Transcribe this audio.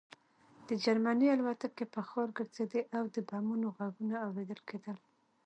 د جرمني الوتکې په ښار ګرځېدې او د بمونو غږونه اورېدل کېدل